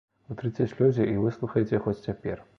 Утрыце слёзы і выслухайце хоць цяпер.